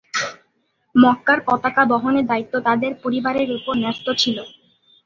মক্কার পতাকা বহনের দায়িত্ব তাদের পরিবারের উপর ন্যস্ত ছিল।